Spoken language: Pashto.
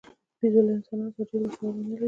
بیزو له انسانانو سره ډېره ورته والی نه لري.